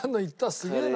すげえな。